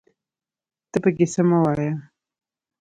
ته پکې څه مه وايه